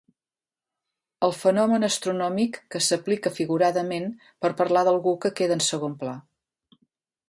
El fenomen astronòmic que s'aplica figuradament per parlar d'algú que queda en segon pla.